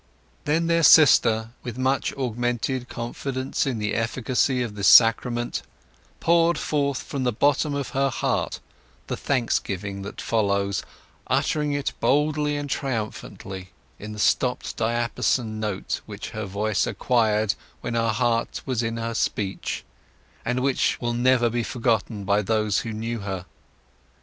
Then their sister, with much augmented confidence in the efficacy of the sacrament, poured forth from the bottom of her heart the thanksgiving that follows, uttering it boldly and triumphantly in the stopt diapason note which her voice acquired when her heart was in her speech, and which will never be forgotten by those who knew her.